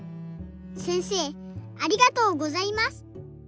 せんせいありがとうございます。